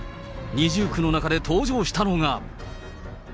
二重苦の中で登場したのが。